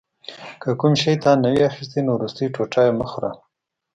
که کوم شی تا نه وي اخیستی نو وروستی ټوټه یې مه خوره.